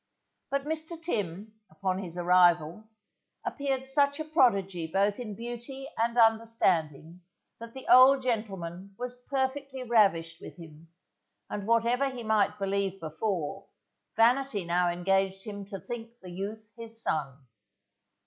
But Mr. Tim, upon his arrival, appeared such a prodigy both in beauty and understanding that the old gentleman was perfectly ravished with him, and whatever he might believe before, vanity now engaged him to think the youth his son.